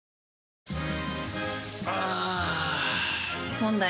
問題。